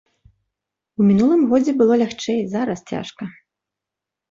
У мінулым годзе было лягчэй, зараз цяжка.